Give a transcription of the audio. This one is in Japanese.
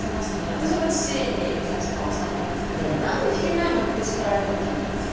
私も父に最初から教わったんですけれども「何で弾けないの」って叱られたことはないです。